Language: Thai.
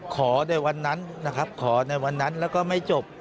ในวันนั้นนะครับขอในวันนั้นแล้วก็ไม่จบ